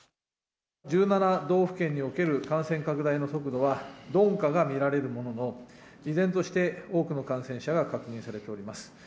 １７道府県における感染拡大の速度は鈍化が見られるものの、依然として多くの感染者が確認されております。